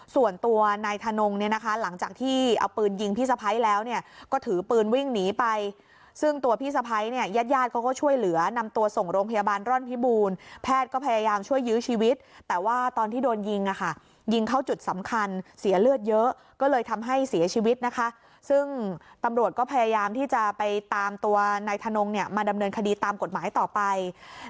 ส่วนตัวนายทนงเนี่ยนะคะหลังจากที่เอาปืนยิงพี่สะพ้ายแล้วเนี่ยก็ถือปืนวิ่งหนีไปซึ่งตัวพี่สะพ้ายเนี่ยแยดก็ช่วยเหลือนำตัวส่งโรงพยาบาลร่อนพิบูรณ์แพทย์ก็พยายามช่วยยื้อชีวิตแต่ว่าตอนที่โดนยิงอ่ะค่ะยิงเข้าจุดสำคัญเสียเลือดเยอะก็เลยทำให้เสียชีวิตนะคะซึ่งตำรวจก็พยายามที่จะไป